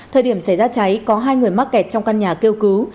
thời điểm xảy ra cháy có hai người mắc kẹt trong căn nhà kêu cứu